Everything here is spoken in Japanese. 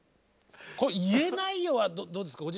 これ「言えないよ」はどうですか？